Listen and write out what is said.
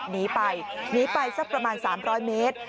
หนีไปหนีไปสักประมาณ๓๐๐เมตร